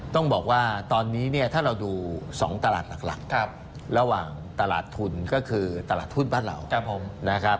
ต้องบอกว่าตอนนี้เนี่ยถ้าเราดู๒ตลาดหลักระหว่างตลาดทุนก็คือตลาดทุนบ้านเรานะครับ